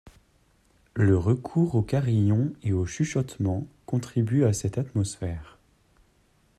Le recours aux carillons et aux chuchotements contribue à cette atmosphère.